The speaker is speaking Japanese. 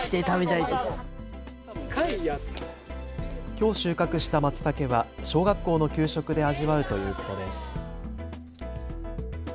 きょう収穫したまつたけは小学校の給食で味わうということです。